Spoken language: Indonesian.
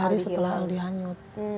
dua hari setelah aldi hanyut